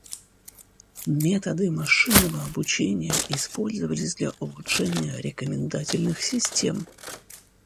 Методы машинного обучения использовались для улучшения рекомендательных систем.